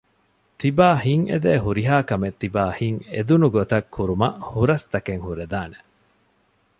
ތިބާ ހިތް އެދޭ ހުރިހާ ކަމެއް ތިބާ ހިތް އެދުނުގޮތަށް ކުރުމަށް ހުރަސްތަކެއް ހުރެދާނެ